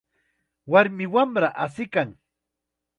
Warmi wamra asiykan.